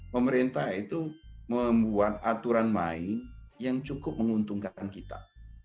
pemerintah itu membuat aturan main yang cukup menguntungkan kita